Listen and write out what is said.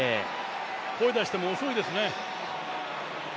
声を出しても遅いですね。